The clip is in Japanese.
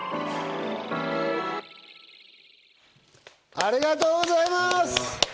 ありがとうございます。